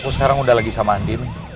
sekarang udah lagi sama andin